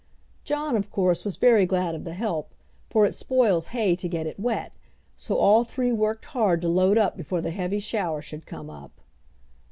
John, of course, was very glad of the help, for it spoils hay to get it wet, so all three worked hard to load up before the heavy shower should come up.